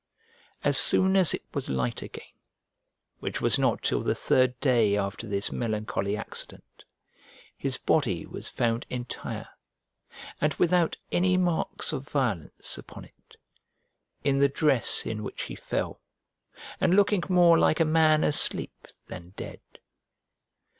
As soon as it was light again, which was not till the third day after this melancholy accident, his body was found entire, and without any marks of violence upon it, in the dress in which he fell, and looking more like a man asleep than dead.